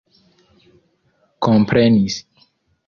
komprenis